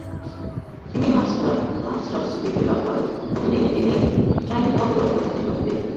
তিনি masters degree লাভ করেন ততদিনে তিনি সাহিত্য অঙ্গনে পরিচিত ব্যক্তিত্ব।